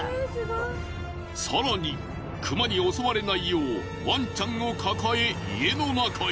更に熊に襲われないようワンちゃんを抱え家の中へ。